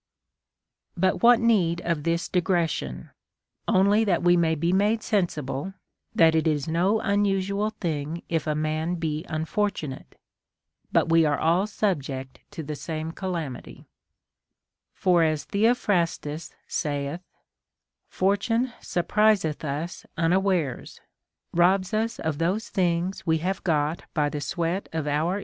But what need of this digression "? Only that we may be made sensible that it is no unusual thing if a man be unfortunate ; but we are all subject to the same calamity. For as Theophrastus saith. Fortune surpriseth us unawares, robs us of those things we have got by the sweat of our * From the Ino of Euripides. t Pindar, Pyth. VIII. 135.